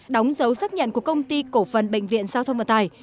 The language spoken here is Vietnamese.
đóng dấu xác nhận của công ty cổ phần bệnh viện giao thông vận tải